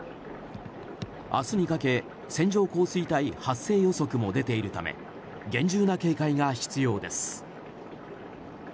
明日にかけ、線状降水帯発生予測も出ているため厳重な警戒が必要です。